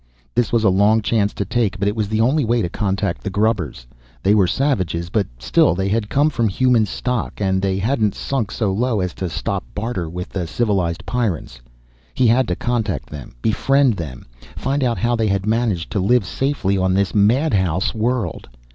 This was a long chance to take, but it was the only way to contact the grubbers. They were savages, but still they had come from human stock. And they hadn't sunk so low as to stop the barter with the civilized Pyrrans. He had to contact them, befriend them. Find out how they had managed to live safely on this madhouse world.